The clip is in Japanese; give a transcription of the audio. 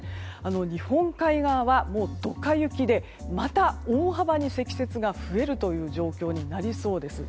日本海側は、ドカ雪でまた大幅に積雪が増えるという状況になりそうです。